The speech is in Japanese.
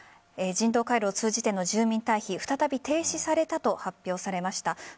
人道回廊を通じての住民退避再び停止されたと発表されました。